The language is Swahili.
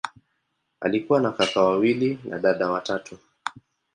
Alikuwa na kaka wawili na dada watatu.